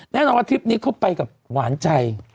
แน่นอนว่าทริปนี้เขาไปกับหวานใจ